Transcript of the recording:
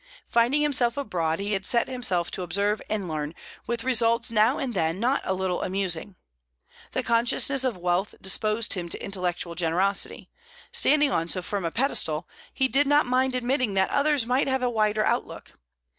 Finding himself abroad, he had set himself to observe and learn, with results now and then not a little amusing. The consciousness of wealth disposed him to intellectual generosity; standing on so firm a pedestal, he did not mind admitting that others might have a wider outlook.